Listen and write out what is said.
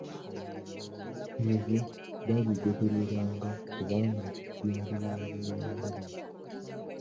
Ebyo baabigobereranga kubanga byali bya buwangwa byabwe.